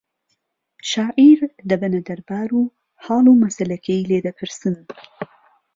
شاعیر دەبەنە دەربار و حاڵ و مەسەلەکەی لێ دەپرسن